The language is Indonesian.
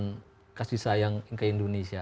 dan kasih sayang ke indonesia